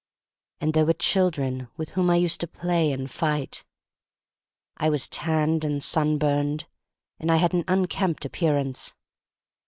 And there were children with whom I used to play and fight. I was tanned and sunburned, and I had an unkempt appearance.